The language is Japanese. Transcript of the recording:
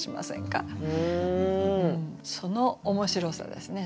その面白さですね。